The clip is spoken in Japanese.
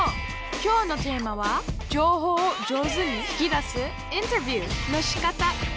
きょうのテーマは情報を上手に引き出す「インタビューのしかた」